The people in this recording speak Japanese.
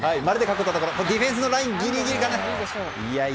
ディフェンスラインギリギリから。